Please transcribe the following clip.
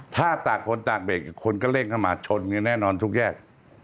ถ้าตากคนตากเบรกคนก็เร่งเข้ามาชนกันแน่นอนทุกแยก